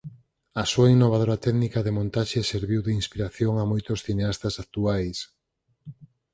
A súa innovadora técnica de montaxe serviu de inspiración a moitos cineastas actuais.